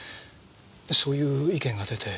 そういう意見が出て。